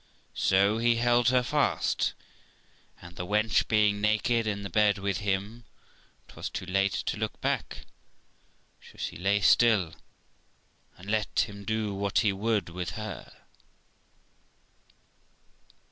So he held her fast, and, the wench being naked in the bed with him, it was too late to look back, so she lay still and let him do what he would with her.